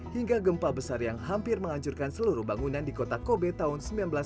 hingga gempa besar yang hampir menghancurkan seluruh bangunan di kota kobe tahun seribu sembilan ratus sembilan puluh